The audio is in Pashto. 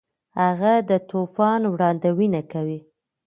هغه د طوفان وړاندوینه کوي.